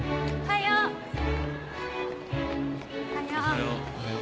おはよう。